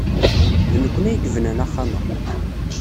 D nekkni ay yebnan axxam-a.